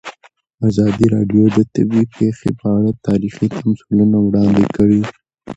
ازادي راډیو د طبیعي پېښې په اړه تاریخي تمثیلونه وړاندې کړي.